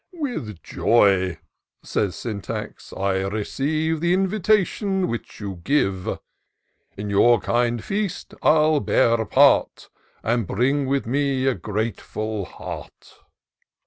" With joy," said Sjmtax, " I receive The invitation which you give ; In your kind feast 111 bear a part. And bring with me a grateful heart."